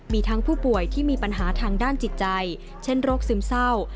มีทั้งผู้ป่วยที่มีปัญหาทางด้านจิตใจเช่นโรคซึมเศร้า